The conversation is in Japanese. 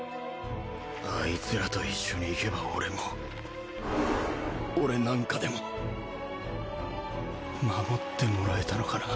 あいつらと一緒に行けば俺も俺なんかでも守ってもらえたのかな